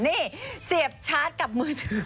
นี่เสียบชาร์จกับมือถือ